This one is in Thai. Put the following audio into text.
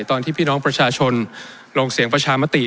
ตอนที่พี่น้องประชาชนลงเสียงประชามติ